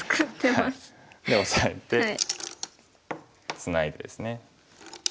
でオサえてツナいでですね。